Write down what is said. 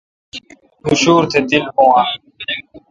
تو شُور نہ تیل بُون آں؟